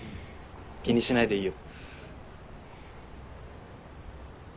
気にしないでいいよ。